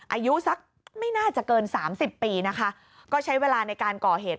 อายุสักไม่น่าจะเกินสามสิบปีนะคะก็ใช้เวลาในการก่อเหตุ